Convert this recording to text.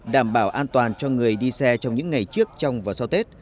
đảm bảo an toàn cho người đi xe trong những ngày trước trong và sau tết